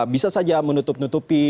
bisa saja menutup nutupi